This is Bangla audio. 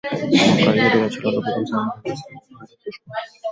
মক্কার ইহুদীরা ছিল নবী করীম সাল্লাল্লাহু আলাইহি ওয়াসাল্লাম-এর ভয়ানক দুশমন।